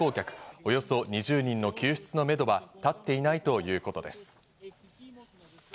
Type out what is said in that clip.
およそ２０人の救出のめどは立っていないということです。